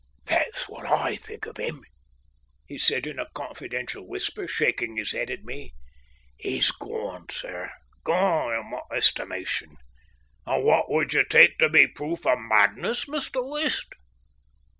"That's what I think of him," he said in a confidential whisper, shaking his head at me. "He's gone, sir, gone, in my estimation. Now what would you take to be a proof of madness, Mr. West?"